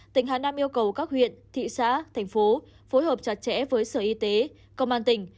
tỉnh hà nam yêu cầu các huyện thị xã thành phố phối hợp chặt chẽ với sở y tế công an tỉnh